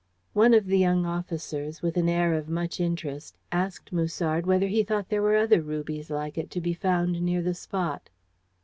One of the young officers, with an air of much interest, asked Musard whether he thought there were other rubies like it to be found near the spot.